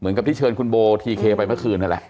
เหมือนกับที่เชิญคุณโบทีเคไปเมื่อคืนนั่นแหละ